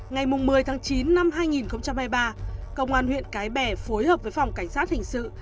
ngày một mươi tháng chín năm hai nghìn hai mươi ba công an huyện cái bè phối hợp với phòng cảnh sát hình sự